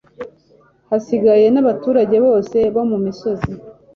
hasigaye n'abaturage bose bo mu misozi